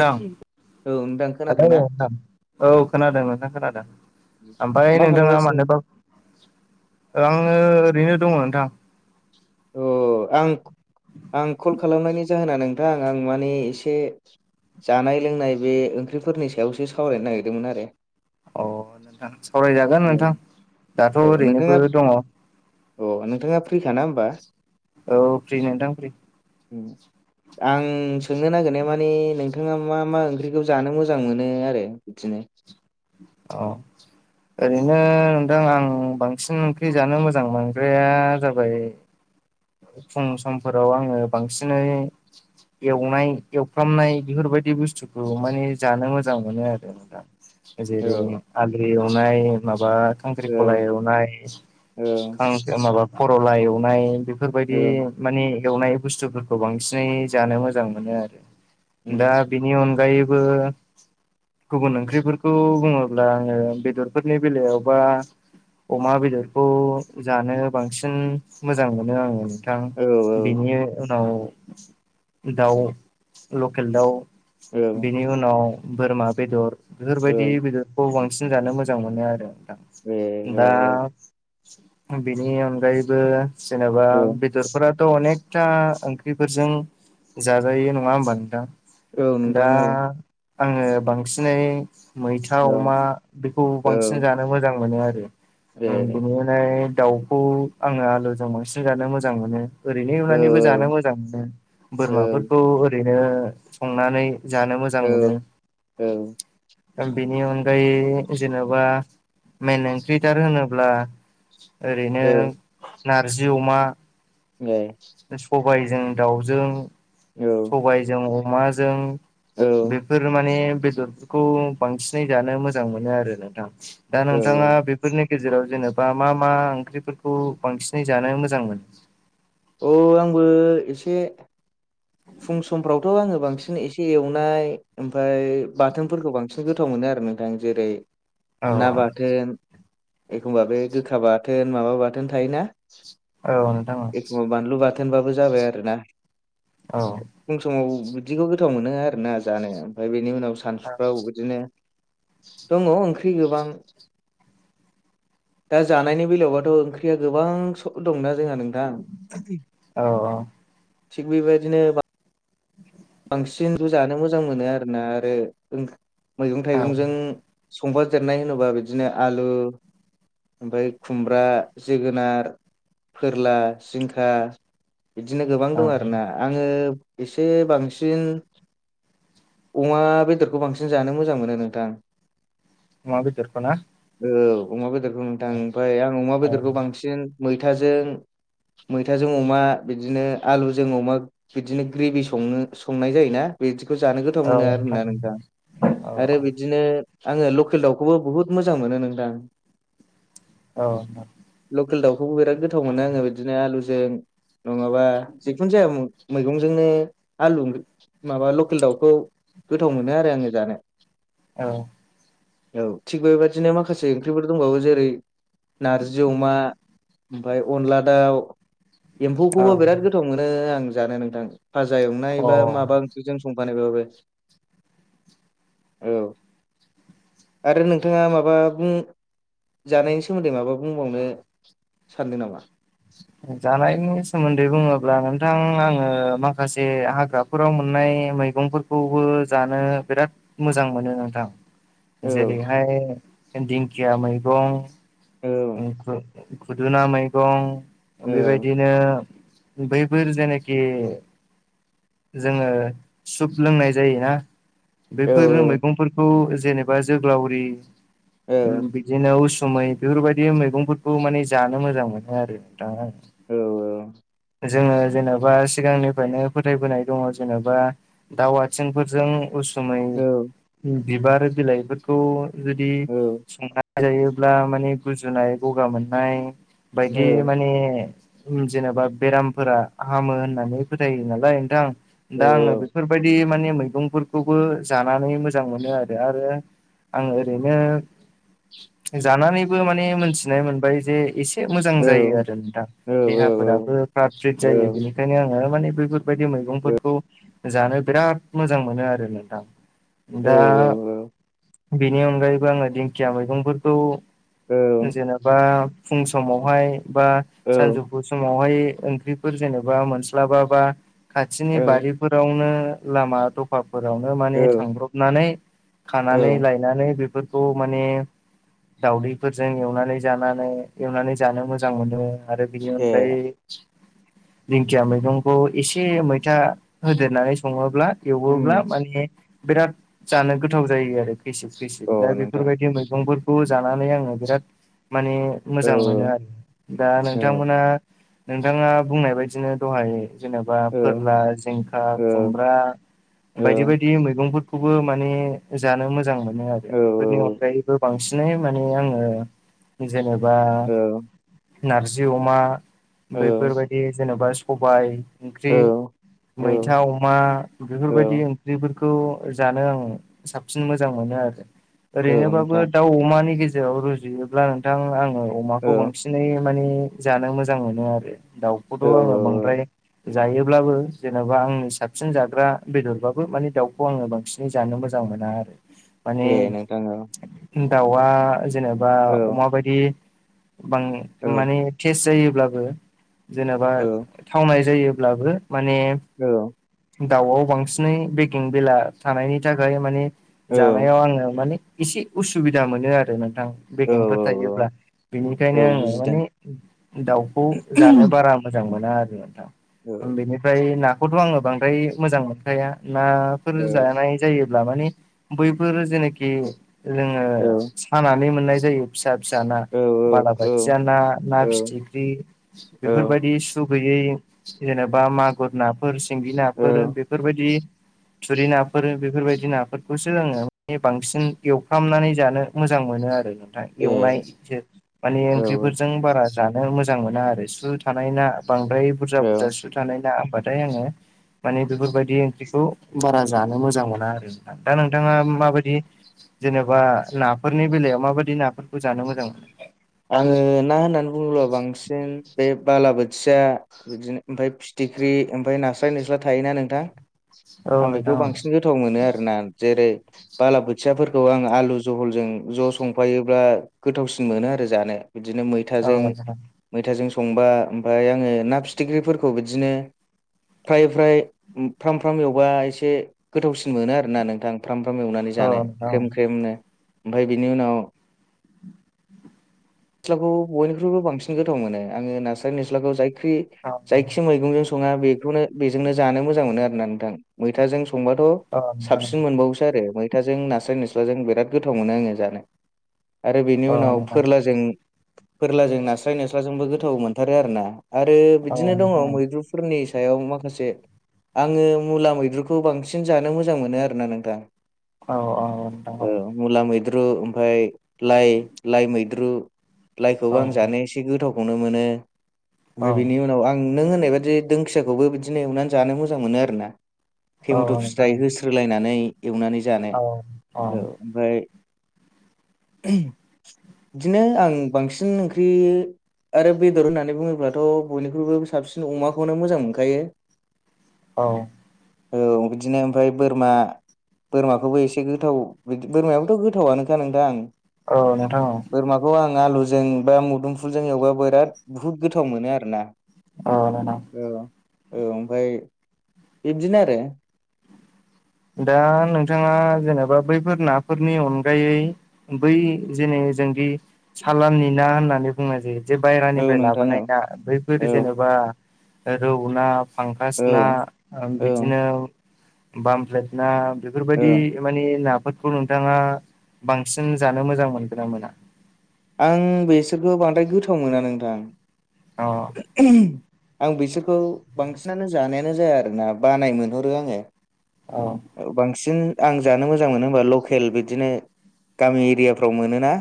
औ नोंथां खोनादों ओमफ्राय ना? मा नोंथाङा खालामगासिनो? मानोबा आङो ओरैनो दङ नोंथां। अह आं आं कल खालामनायनि जाहोना नोंथां आं माने एसे जानाय लोंनाय बे ओंख्रिफोरनि सायावसो सावरायनो नागिरदोंमोन आरो। अह नोंथां सावरायजागोन नोंथां दाथ' औ नोंथाङा ओरैनोबो दङ। अ नोंथाङा फ्रिखा ना होनबा। औ फ्रि नोंथां फ्रि। उम आं सोंनो नागिरनाय माने नोंथाङा मा मा ओंख्रिखौ जानो मोजां मोनो आरो। इदिनो औ ओरैनो नोंथां आं बांसिन ओंख्रि जानो मोजां मोनग्राया जाबाय [inaudible] फुं समफोराव आङो बांसिनै एवनाय एवफ्रामनाय बेफोरबायदि बुस्थुखौ माने जानो मोजां मोनो आरो नोंथां। औ जेरै आद्रि एवनाय माबा औ खांख्रिखला एवनाय औ खां माबा खर'ला एवनाय बेफोरबायदि औ माने एवनाय बुस्थुफोरखौ बांसिनै जानो मोजां मोनो आरो। उम दा बेनि अनगायैबो गुबुन ओंख्रिफोर खौ बुङोब्ला आङो बेदरफोरनि बेलायावबा अमा बेदरखौ जानो बांसिन मोजां मोनो आङो। थां औ बेनि उनाव दाउ लकेल दाउ औ बेनि उनाव बोरमा बेदर औ बेफोरबायदि बेदर खौ बांसिन जानो मोजां मोनो आरो ए नोंथां। औ औ दा बेनि अनगायैबो जेनेबा बे दरफोराथ' अनेकथा ओंख्रिफोरजों जाजायो नङा होमबा नोंथां? औ दा नोंथां औ आङो बांसिनै मैथा अमा बेखौ औ बांसिन जानो मोजां मोनो आरो ओ ए बिनि उना फ्राय दाउखौ आङो आलुजों बांसिन जानो मोजां मोनो। ओरैनो एवनानैबो जानो मोजां मोनो बोरमाफोरखौ ओरैनो संनानै जानो मोजां मोनो। औ ओं बेनि अनगायै जेन'बा मेन ओंख्रिथार होनोब्ला ओरैनो नारजि अमा [unintelligible] बे सबायजों दाउजों औ सबायजों अमाजों औ बेफोर माने बेदरफोरखौ बांसिनै जानो मोजां मोनो आरो नोंथां दा औ नोंथाङा बे फोरनि गेजेराव जेनेबा मा मा ओंख्रिफोरखौ बांसिनै जानो मोजां मोनो? अ आंबो एसे फुं समफ्रावथ' आङो बांसिन एसे एवनाय ओमफ्राय बाथोनफोरखौ बांसिन बांसिन गोथाव मोनो आरो नोंथां जेरै ना औ बाथोन, एखमबा बे गोखा बाथोन माबा बाथोन थायोना औ नंगौ। एखमबा बानलु बाथोनबाबो जाबाय आरोना। औ। फुं समाव बिदिखौ गोथाव मोनो आरोना जानो ओमफ्राय बेनि उनाव सानसुफ्राव बिदि दङ ओंख्रि गोबां दा जानायनि बेलायावबाथ' गोबां सब‌ दंना जोंहा नोंथां औ थिग बेबायदिनो गोबां बांसिन बेखौ जानो मोजां मोनो आरोना आरो मैगं- औ थाइगंजों संफादेरनाय होनोबा बिदिनो आलु ओमफ्राय खुमब्रा, जोगोनार, फोरला, जिंखा बिदिनो गोबां औ दं आरोना आङो एसे बांसिन सिन अमा बेदरखौ बांसिन जानो मोजां मोनो नोंथां अमा बेदरखौ ओ अमा बेदरखौ नोंथां औ ओमफ्राय आं अमा औ बेदरखौ बांसिन मैथाजों मैथाजों अमा बिदिनो आलुजों अमा बिदिनो ग्रेभि संनो संनाय जायोना बिदिखौ जानो गोथाव मोनो आरोना नोंथां औ आरो बि बिदिनो आङो लकेल दाउखौबो बुहुत मोजां मोनो नोंथां। औ। लकेल दाउखौबो बिराद गोथाव मोनो आङो बिदिनो आलुजों नङाबा जिखुनु जा-जाया मैगंजोंनो आलु ओंख्रि माबा लकेल दाउखौ गोथाव मोनो आरो आङो दा औ। औ थिग बेबादिनो माखासे ओंख्रिफोर दंबावो जेरैओ नारजि अमा ओमफाय अनला दाउ। औ एम्फौखौबो बिराद गोथाव मोनो आं जानो नोंथां फाजा एवनाय एबा औ अ माबाफो जों संफानायबाबो औ। आरो नोंथाङा माबा बुं जानायनि सोमोन्दै माबा बुंबावनो सानदों नामा? जानायनि सोमोन्दै बुङोब्ला नोंथां आङो माखासे हाग्राफो फोराव मोननाय मैगंफोरखौबो जानो बिराद मोजां मोनो नोंथां। औ जेरैहाय दिंखिया मैगं औ ओ खुदुना औ मैगं बैबायदिनो बैफोर जेनाखि जोङो सुप लोंनाय जायोना। औ बेफोर मैगंफोरखौ जेनेबा जोग्लावरि औ बिदिनो उसुमै बेफोरबायदि मैगंफोरखौ माने जानो मोजां मोनो आरो नोंथां। औ औ। जोङो जेन'बा सिगांनिफ्रायनो फोथायबोनाय दङ जेनेबा दाउ आथिंफोरजों उसुमै औ बिबार बिलाइफोरज खौ जुदि संनानै जायोब्ला माने गुजुनाय, गगा मोननाय बायदि नि ओम जेन'बा बेरामफोरा हामो होननानै फोथायो नालाय नोंथां। औ दा आङो बेफोरबायदि माने मैगंफोर खौबो जानानै मोजां मोनो आरो। आरो आं ओरैनो जानानैबो माने मोन्थिनाय मोनबाय जे एसे एसे मोजां जायो आरो नोंथां देहाफोराबो फ्राट फ्रिट जायो बेनिखायनो आङो माने बैफोर बायदि मैगंफोरखौ जानो बिराद मोजां मोनो आरो नोंथां। दा बिनि अनगायैबो आङो दिंखिया मैगंफोरखौ जेन'बा फुं समावहाय बा सानजौ फु समावहाय ओख्रिफोर जेन'बा मोनस्लाबाबा खाथिनि बारि फोरावनो लामा द' फाफोरावनो माने थांब्रबनानै औ खानानै लायनानै बे फोरखौ माने दावदैफोरजों एवनानै जानानै एवनानै जानो मोजा जां मोन्दो आरो बिनि ए अनगायै दिंखिया मैगंखौ एसे मैथा होदेरनानै सङोब्ला उम एवोब्ला माने बिराद जानो गोथाव जायो आरो। खैसिब खैसिब अ दा नोंथां बेफोरबायदि मैगंफोरखौ जानानै आङो बिराद माने औ मोजां मोनो आरो दा औ नोंथांमोना नोंथाङा बुंनाय बायदिनो दहाय जेन'बा औ फोरला, जिंखा, औ खुमब्रा औ बायदि बायदि मैगंफोरखौबो माने जानो मोजां मोनो औ आरो बेफोरनि अनगायैबो बांसि नै माने आङो जेनेबा नार्जि अमा औ बैफोरबायदि जेन'बा सबाय औ ओंख्रि मैथा अमा बेफोरबायदि ओंख्रिफोर खौ जानो आं साबसिन मोजां मोनो आरो। ओरैनोबाबो नोंथां दाउ अमानि गेजेराव रुजुयोब्ला नोंथां आङो औ अमाखौ बां सिनै माने जानो मोजां मोनो आरो दाउखौथ' औ आङो औ बांद्राय जायोब्लाबो जेन'बा आंनि साबसिन जाग्रा बेदरबाबो माने दाउखौ आङो बांसि नै जानो मोजां मोना आ [inaudible] नोंथां औ माने दाउआ जेनेबा औ अमा बायदि बां औ माने टेस्ट जायोब्लाबो जेन'बा थावनाय जायोब्लाबो माने दाउआव बांसिनै बेगें बेला थानायनि थाखाय माने जानायाव आङो माने एसे उसुबिदा मोनो आरो नोंथां औ बेगेंफोर औ थायोब्ला। औ बिनिखायनो आङो बुजिदों माने दाउखौ जानो बारा मोजां मोना आरो नोंथां। औ ओम बेनिफ्राय नाखौथ' आङो बांद्राय मोजां मोनखाया नाफोर औ जानाय जायोब्ला माने बैफोर जेेनेखि जोङो औ सानानै मोननाय जायो। फिसा फिसा ना औ बालाबाथिया ना, ना फिथिख्रि औ बेफोरबायदि सु सु गैयै जेनेबा मागुर नाफोर सिंगि नाफोर बेफोरबादि थुरि नाफोर बेफोरबादि नाफोरखौसो आंङो ने बांसिन एवफ्रामनानै जानो मोजां मोनो आरो नोंथाय ए एवनाय जो माने औ ओंख्रिफोरजों जों बारा जानो मोजां मोना आरो सु थानाय ना बांद्राय बुर्जा बुर्जा औ सु थानाय ना होमबाथाय आङो माने बेफोरबादि ओंख्रिखौ बारा जानो मोजां मोना आरो। दा नोंथाङा मा बायदि जेनेबा नाफोरनि बेलायाव माबादि नाफोरखौ जानो मोजां मोनो। आङो ना होननानै बुङोब्ला बांसिन बे बालाबोथिया बिदिनो ओमफाय फिथिख्रि ओमफाय नास्राय नुस्ला थायोना नोंथां औ आं बेखौ नोंथां औ बांसिन गोथाव मोनो आरोना जेरै। बालाबोथियाफोरखौ आंङो आलु जहलजों ज' संफायोब्ला गोथावसिन मोनो आरो। जानो बिदिनो औ मैथाजों नोंथां मैथाजों संबा ओमफाय आङो ना फिथिख्रिफोरखौ बिदिनो फ्राय फ्राय फ्राम फ्राम एवबा एसे गोथावसिन मोनो आरोना नोंथां फ्राम फ्राम एवनानै औ जानाय नोंथां ख्रेम ख्रेमनो ओमफ्राय बिनि उनाव निथ्लाखौ बयनिख्रुइबो बांसिन गोथाव मोनो आङो नासराय निस्लाखौ जायख्रि औ जायखि मैंगंजों सङा बेखौनो बेजोंनो जानो मोजां मोनो आरोना नोंथां मैथाजों संबाथ' औ नोंथां साबसिन मोनबावोसो आरो मैथाजों नास्राय निस्लाजों बिराद गोथाव मोनो आङो जानो आरो बिनि औ उनाव नोंथां जों फोरलाजों नास्राय निस्लाजों जोंबो गोथाव मोनथारो आरोना आरो औ बिदिनो दङ नोंथां मैद्रुफोरनि सायाव माखासे आङो मुला मैद्रुखौ बांसिन जानो मोजां मोनो आरो ना नोंथां औ औ अं ओ मुला मैद्रु ओमफाय लाइ, लाइ मैद्रु लाइखौबो आं जानो एसे गोथावखौनो मोनो औ ओमफ्राय बेनि उनाव आं नों होननाय बादि दोंखियाखौबो बिदिनो एवना जानो मोजां मोनो आरो ना औ टेमोट' नोंथां फिराया रोलायनानै एवनानै जानो औ ओमफाय बिदिनो आं बांसिन ओंख्रि आरो बेदर होननानै बुङोब्लाथ' बयनिख्रुइबो साबसिन अमाखौनो मोजां मोनखायो औ औ बिदिनो ओमफ्राय बोरमा बोरमाखौबो एसे गोथाव बिदि बोरमायाबोथ' गोथाव आनोखा नोंथां आं अ नों थां अ बोरमाखौ आं आलुजों बा मुदुमफुलजों एवबा बिराद बुहुद गोथाव मोनो आरो ना औ नोंथां औ औ ओमफ्राय बिबदिनो आरो दा नोंथाङा जेनेबा बैफोर नाफोरनि अनगायै बै जेने जों दि सालाननि ना होननानै बुंनाय जायो जे औ बायरानिफ्राय नोंथां औ लाबोनाय ना बैफोर औ जेनेबा रौना फांखास ना औ औ बिदिनो बामफ्लेट ना औ बेफोरबायदि बे माने नाफोरखौ नोंथाङा बांसिन जानो मोजां मोनगोना मोना आं बेसोरखौ बांद्राय गोथाव मोना नोंथां अ उम आं बिसोरखौ बांसिनानो जानायानो जाया आरोना बानाय मोनहरो आङो औ औ बांसिन आं जानो मोजां मोनो होमबा लकेल बिदिनो गामि एरियाफ्राव मोनोना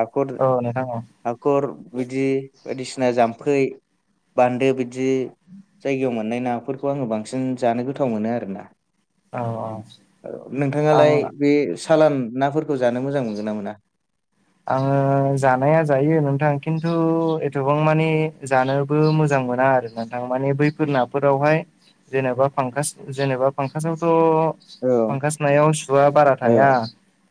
हाखर औ नोंथां औ हाखर बिदि बायदिसिना जामफ फै बान्दो बिदि जायगायाव मोननाय नाफोरखौ आङो बांसिन जानो गोथाव मोनो आरो ना औ नोंथाङालाय आं बे सालान नाफोरखौ जानो मोजां मोनगोन ना मोना आङो जानाया जायो नोंथां खिन्थु एथबां माने जानोबो मोजां मोना आरो थां माने बैफोर नाफोरावहाय जेनेबा फांकास जेनेबा फांकासावथ' औ फांखास नायाव सुआ बारा थाया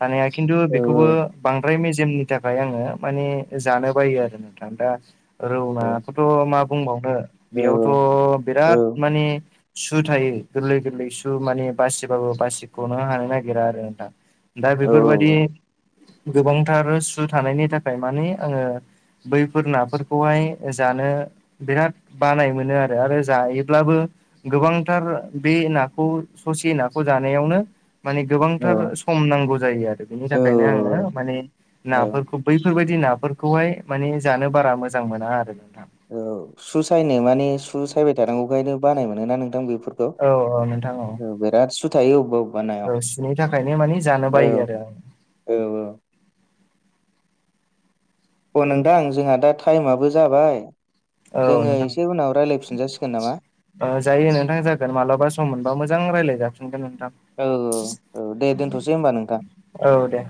थानाया खिन्थु औ बेखौबो बां द्राय मेजेमनि थाखाय आङो माने जानो बायो आरो नोंथां। दा रौनाखौथ' मा बुंबावनो औ बेयावथ' औ बिराद माने सु थायो गोरलै गोरलै सु माने बासिबाबो बासिख'नो हानो नागिरा आरो नोंथां दा बेफोरबादि गोबांथार सु थानायनि थाखाय माने आङो बैफोर नाफोरखौहाय जानो बिराद बानाय मोनो आरो आरो जायोब्लाबो गोबांथार बे नाखौ ससे नाखौ जानायावनो माने गोबांथार सम नांगौ जायो आरो बिनि औ थाखायनो आङो माने औ नाफोरखौ बै बेफोरबायदि नाफोरखौहाय माने जानो बारा मोजां मोना आरो नोंथां। औ सु सायनो मानि सु सायबाय थानांगौखायनो बानाय मोनो ना नोंथां बेफोर औ औ नोंथां औ [unintelligible] बेराद सु थायो [unintelligible] औ सिनि थाखायनो माने जानो बायो आरो आं। औ औ। अ' नोंथां जोंहा दा टाइमाबो जाबाय। औ जोङो एसे उनाव रायलायफिनजासिगोन नामा? ओ जायो नोंथां जागोन मालाबा सम मोनबा मोजां रायलायजफिनगोन नोंथां। औ औ दे दोनथ'सै होमबा नोंथां। औ दे।